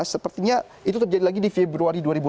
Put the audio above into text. sepertinya itu terjadi lagi di februari dua ribu enam belas